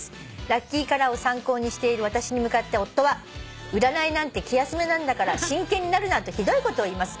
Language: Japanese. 「ラッキーカラーを参考にしている私に向かって夫は『占いなんて気休めなんだから真剣になるな』とひどいことを言います。